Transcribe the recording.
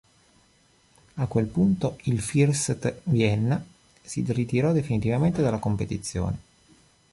A quel punto il First Vienna si ritirò definitivamente dalla competizione.